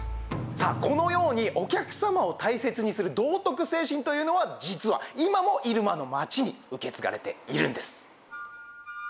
このようにお客様を大切にする道徳精神というのは実は、今も入間の町に受け継がれているんです。